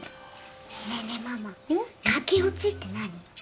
ねえねえママかけおちって何？